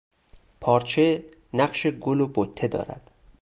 پارچه نقش گل و بته دارد.